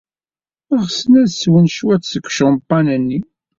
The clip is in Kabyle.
Ɣsen ad swen cwiṭ seg ucampan-nni.